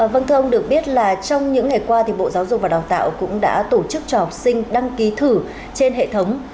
vâng thưa ông được biết là trong những ngày qua thì bộ giáo dục và đào tạo cũng đã tổ chức cho học sinh đăng ký thử trên hệ thống